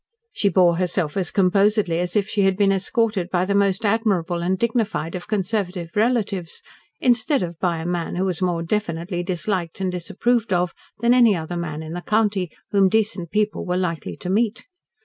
She bore herself as composedly as if she had been escorted by the most admirable and dignified of conservative relatives, instead of by a man who was more definitely disliked and disapproved of than any other man in the county whom decent people were likely to meet.